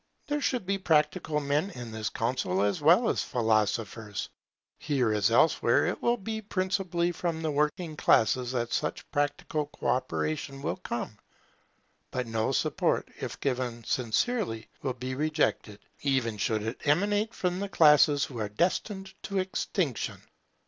There should be practical men in this council as well as philosophers. Here, as elsewhere, it will be principally from the working classes that such practical co operation will come; but no support, if given sincerely, will be rejected, even should it emanate from the classes who are destined to extinction.